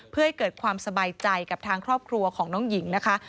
เพื่อให้เกิดความสบายใจกับทางครอบครัวของน้องหญิงนะคะ